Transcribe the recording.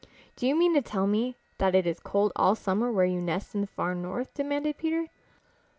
"Do you mean to tell me that it is cold all summer where you nest in the Far North?" demanded Peter.